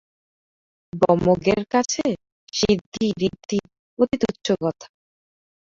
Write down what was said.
ব্রহ্মজ্ঞের কাছে সিদ্ধি ঋদ্ধি অতি তুচ্ছ কথা।